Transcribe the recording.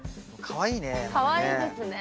かわいいですね。